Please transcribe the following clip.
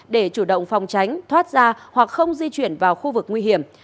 để chủ động phòng tránh thoát ra hoặc không di chuyển vào khu vực nguy hiểm